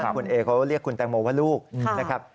คุณเอเขาเรียกคุณแตงโมว่าลูกนะครับ